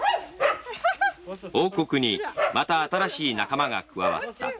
王国にまた新しい仲間が加わった。